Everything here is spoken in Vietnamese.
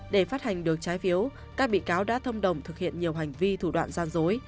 để phát hành được trái phiếu các bị cáo đã thông đồng thực hiện nhiều hành vi thủ đoạn gian dối